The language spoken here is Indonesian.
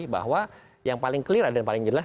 bahwa yang paling clear dan paling jelas